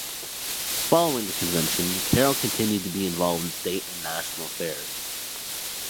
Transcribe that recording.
Following the Convention, Carroll continued to be involved in state and national affairs.